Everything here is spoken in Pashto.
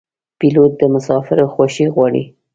پیلوټ د مسافرو خوښي غواړي.